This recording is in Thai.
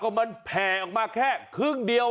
ก็มันแผ่ออกมาแค่ครึ่งเดียว